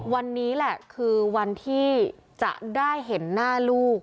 วันนี้แหละคือวันที่จะได้เห็นหน้าลูก